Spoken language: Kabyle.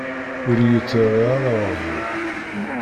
Ur iyi-ttara ara aɣbel.